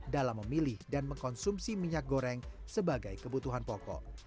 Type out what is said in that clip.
dalam memilih dan mengkonsumsi minyak goreng sebagai kebutuhan pokok